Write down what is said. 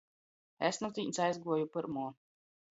Es nu tīņs aizguoju pyrmuo.